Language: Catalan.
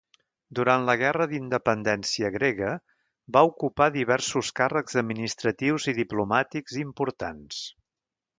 Durant la guerra d'Independència grega, va ocupar diversos càrrecs administratius i diplomàtics importants.